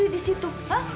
ini di situ